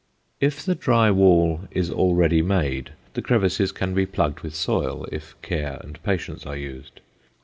If the dry wall is already made, the crevices can be plugged with soil if care and patience are used.